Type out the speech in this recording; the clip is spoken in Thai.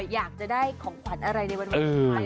อยากจะได้ของขวัญอะไรในวันวาเลนไทย